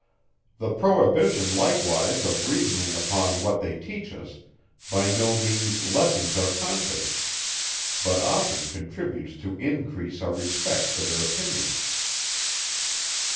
The prohibition likewise of reasoning upon what they teach us, by no means lessens our confidence; but often contributes to increase our respect for their opinions.